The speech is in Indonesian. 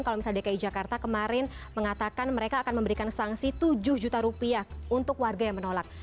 kalau misalnya dki jakarta kemarin mengatakan mereka akan memberikan sanksi tujuh juta rupiah untuk warga yang menolak